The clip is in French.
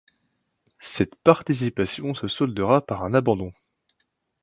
Cette participation se soldera par un abandon.